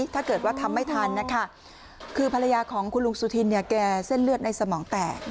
ถ้าเกิดว่าทำไม่ทันนะคะคือภรรยาของคุณลุงสุธินเนี่ยแกเส้นเลือดในสมองแตก